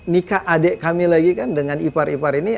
nikah adik kami lagi kan dengan ipar ipar ini